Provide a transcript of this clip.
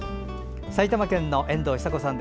埼玉県の遠藤比佐子さん。